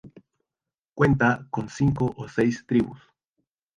Cuenta con cinco o seis tribus.